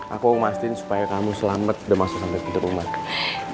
aku mau pastiin supaya kamu selamat udah masuk sampai pintu rumah